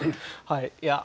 はい。